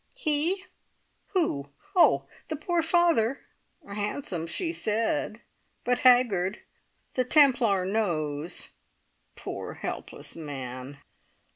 "He? Who? Oh, the poor father! Handsome, she said, but haggard. The Templar nose. Poor, helpless man!"